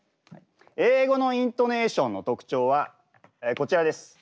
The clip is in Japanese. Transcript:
英語のイントネーションの特徴はこちらです。